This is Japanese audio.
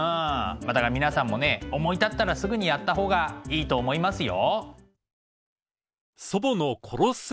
まあだから皆さんもね思い立ったらすぐにやった方がいいと思いますよ。